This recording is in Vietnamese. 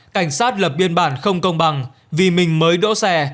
cảnh sát lập biên bản không công bằng vì mình mới đỗ xe